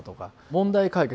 問題解決